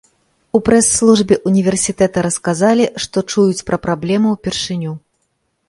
У прэс-службе ўніверсітэта расказалі, што чуюць пра праблему ўпершыню.